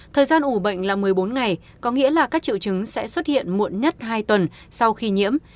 thời gian ủ bệnh là một mươi bốn ngày có nghĩa là các triệu chứng sẽ xuất hiện muộn nhất hai tuần sau khi nhiễm